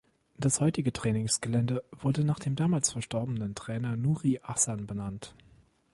Das heutige Trainingsgelände wurde nach dem damals verstorbenen Trainer Nuri Asan benannt.